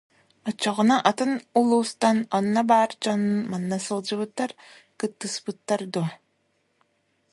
Оччоҕуна атын улуустан онно баар дьон манна сылдьыбаттар, кыттыспаттар дуо